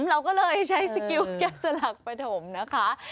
เราก็เลยใช้สกิลแกะสลักปฐมนะคะ